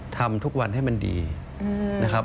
ทำทุกวันให้มันดีนะครับ